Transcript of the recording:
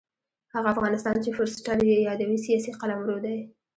هغه افغانستان چې فورسټر یې یادوي سیاسي قلمرو دی.